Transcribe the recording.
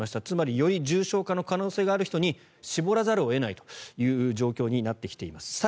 つまりより重症化の可能性がある人に絞らざるを得ないという状況になっています。